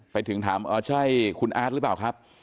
ไปถึงถามใช่คุณอาร์ตหรือเปล่าครับ